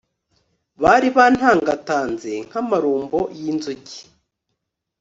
bari bantangatanze nk'amarumbo y'inzuki